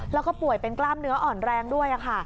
แล้วก็ป่วยเป็นกล้ามเนื้ออ่อนแรงด้วยค่ะ